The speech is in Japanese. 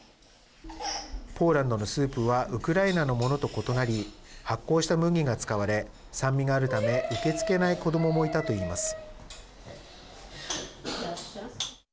ポーランドのスープはウクライナのものと異なり発酵した麦が使われ酸味があるため、受け付けない子どももいたといいます。